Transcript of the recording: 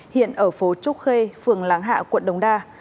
hiện ở phố trúc khê phường láng hạ quận đống đa